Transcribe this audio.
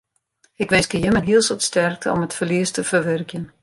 Ik winskje jimme in hiel soad sterkte om it ferlies te ferwurkjen.